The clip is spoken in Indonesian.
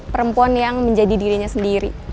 perempuan yang menjadi dirinya sendiri